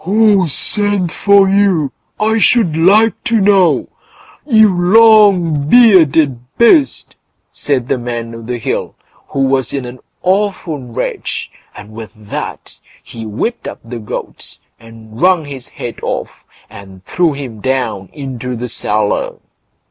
"Who sent for you, I should like to know? you long bearded beast!" said the Man o' the Hill, who was in an awful rage, and with that he whipped up the goat, and wrung his head off, and threw him down into the cellar.